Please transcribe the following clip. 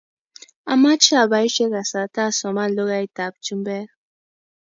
amache abaishe kasarta asoman lukait ab chumbek